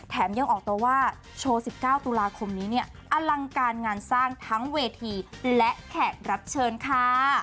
ยังออกตัวว่าโชว์๑๙ตุลาคมนี้เนี่ยอลังการงานสร้างทั้งเวทีและแขกรับเชิญค่ะ